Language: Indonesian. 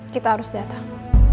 kita harus datang